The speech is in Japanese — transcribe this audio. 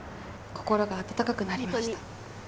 心が温かくなりました。